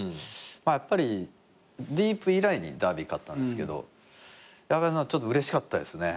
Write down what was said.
やっぱりディープ以来にダービー勝ったんですけどちょっとうれしかったですね。